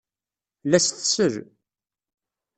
La as-tsell.